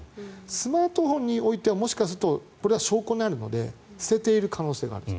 スマートフォンにおいてはもしかすると、証拠になるので捨てている可能性があると。